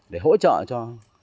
để hỗ trợ cho